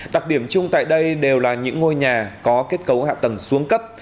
đặc điểm chung tại đây đều là những ngôi nhà có kết cấu hạ tầng xuống cấp